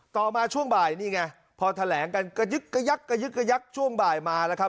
ต่อมาช่วงบ่ายนี่ไงพอแถลงกันกระยึกช่วงบ่ายมาแล้วครับ